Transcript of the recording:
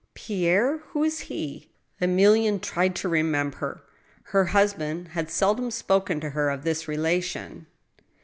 "Pierre? Who is he?" Emilienne tried to remember. Her husband had seldom spoken to her of this relation.